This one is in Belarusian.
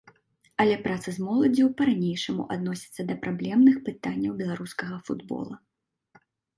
Але праца з моладдзю па-ранейшаму адносіцца да праблемных пытанняў беларускага футбола.